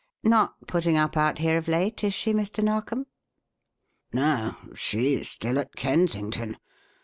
Not putting up out here of late, is she, Mr. Narkom?" "No. She's still at Kensington.